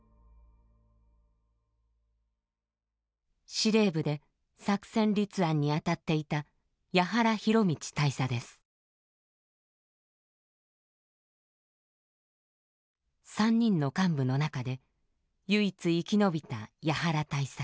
司令部で作戦立案に当たっていた３人の幹部の中で唯一生き延びた八原大佐。